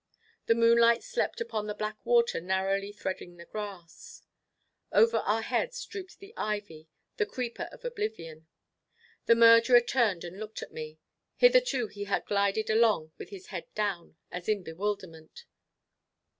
The moonlight slept upon the black water narrowly threading the grass. Over our heads drooped the ivy, the creeper of oblivion. The murderer turned and looked at me; hitherto he had glided along with his head down, as in bewilderment.